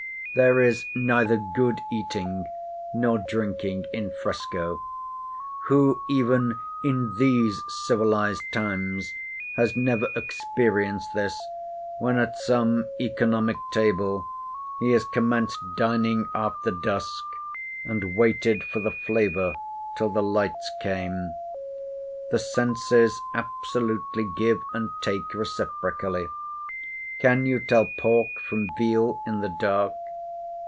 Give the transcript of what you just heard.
There is neither good eating nor drinking in fresco. Who, even in these civilised times, has never experienced this, when at some economic table he has commenced dining after dusk, and waited for the flavour till the lights came? The senses absolutely give and take reciprocally. Can you tell pork from veal in the dark?